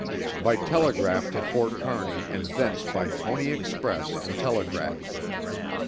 By telegraph to Fort Kearney and thence by Pony Express and telegraph.